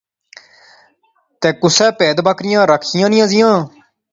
تے کُسے پہید بکریاں رکھیاں نیاں زیاں